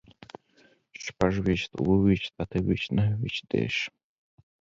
شپږويشت، اووه ويشت، اته ويشت، نهه ويشت، دېرش